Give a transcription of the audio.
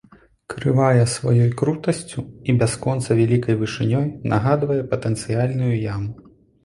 Крывая сваёй крутасцю і бясконца вялікай вышынёй нагадвае патэнцыяльную яму.